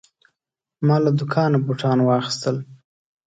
ما له دوکانه بوتان واخیستل.